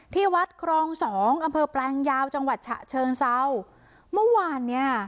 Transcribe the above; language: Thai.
ที่วัดครองสองอำเภอแปลงยาวจังหวัดฉะเชิงเซาเมื่อวานเนี้ย